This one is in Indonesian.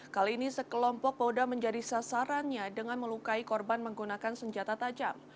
kali ini sekelompok polda menjadi sasarannya dengan melukai korban menggunakan senjata tajam